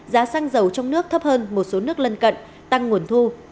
giá xăng dầu trong nước thấp hơn một số nước lân cận tăng nguồn thu